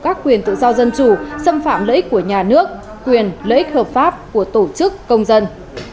các quyền tự do dân chủ xâm phạm lợi ích của nhà nước quyền lợi ích hợp pháp của tổ chức công dân